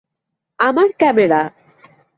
আমার ক্যামেরা!